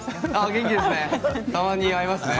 元気ですね。